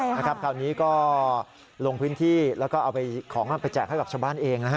คราวนี้ก็ลงพื้นที่แล้วก็เอาไปของไปแจกให้กับชาวบ้านเองนะฮะ